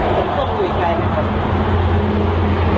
ผมต้องอยู่อีกไกลนะครับ